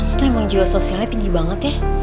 itu emang jiwa sosialnya tinggi banget ya